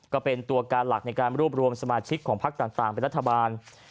ก็เป็นตัวการหลักในการรวบรวมสมาชิกของพักต่างเป็นรัฐบาล